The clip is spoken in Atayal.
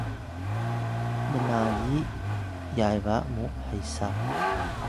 mnayiy yaba mu hesa